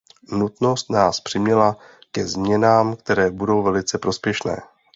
Nutnost nás přiměla ke změnám, které budou velice prospěšné.